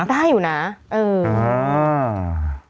ได้อยู่นะเออ